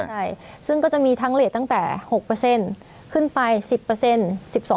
ใช่ซึ่งก็จะมีทั้งเลขตั้งแต่๖ขึ้นไป๑๐๑๒๑๔๒๐ขึ้นอยู่กับ